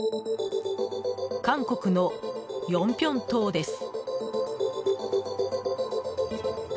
韓国のヨンピョン島です。